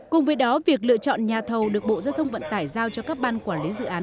cùng với đó việc lựa chọn nhà thầu được bộ giao thông vận tải giao cho các ban quản lý dự án